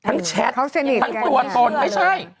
ครั้งแชททั้งตัวตอนไม่ใช่